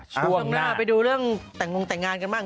ช่วงหน้าไปดูตังงแต่งงานกันบ้าง